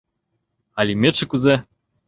— А лӱметше кузе?